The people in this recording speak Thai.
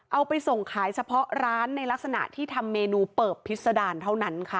เอาไปส่งขายเฉพาะร้านในลักษณะที่ทำเมนูเปิบพิษดารเท่านั้นค่ะ